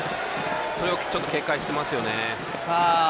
それを警戒していますね。